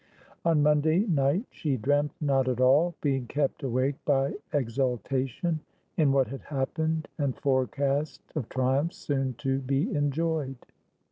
On Monday night she dreamt not at all, being kept awake by exultation in what had happened and forecast of triumphs soon to be enjoyed.